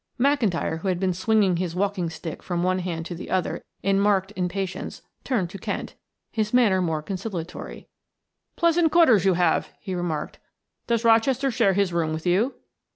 McIntyre, who had been swinging his walking stick from one hand to the other in marked impatience, turned to Kent, his manner more conciliatory. "Pleasant quarters you have," he remarked. "Does Rochester share his room with you?"